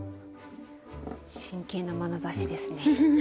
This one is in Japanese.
真剣なまなざしですね。